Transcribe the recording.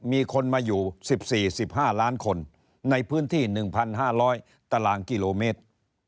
มีคนมาอยู่๑๔๑๕ล้านคนในพื้นที่๑๕๐๐ตารางกิโลเมตร